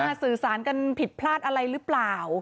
สื่อสารกันผิดพลาดอะไรหรือเปล่า